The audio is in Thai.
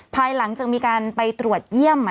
ภายหลังจากมีการไปตรวจเยี่ยม